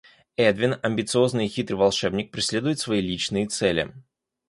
Эдвин, амбициозный и хитрый волшебник, преследует свои личные цели.